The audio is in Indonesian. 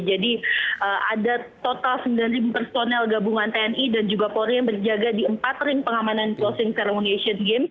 jadi ada total sembilan ribu personel gabungan tni dan juga polri yang berjaga di empat ring pengamanan closing ceremony asian games